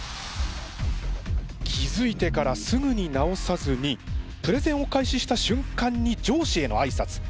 気付いてからすぐに直さずにプレゼンを開始した瞬間に上司へのあいさつ。